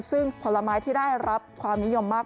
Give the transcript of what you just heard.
ซึ่งผลไม้ที่ได้รับความนิยมมาก